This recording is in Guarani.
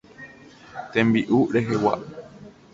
Tembi'u rehegua.